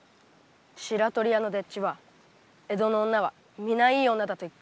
白鳥屋の丁稚は「江戸の女は皆いい女だ」と言った。